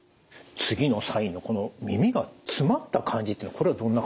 次のサインのこの耳が詰まった感じというのはこれはどんな感じなんですか？